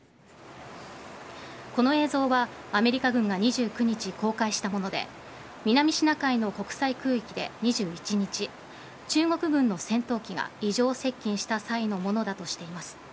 この映像はアメリカ軍が２９日公開したもので南シナ海の国際空域で２１日中国軍の戦闘機が異常接近した際のものだとしています。